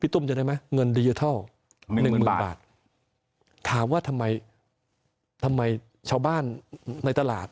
เติมทีชาวบ้านในตลาด